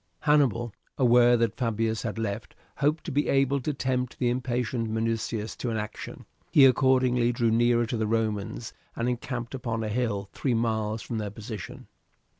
Hannibal, aware that Fabius had left, hoped to be able to tempt the impatient Minucius to an action. He accordingly drew nearer to the Romans and encamped upon a hill three miles from their position.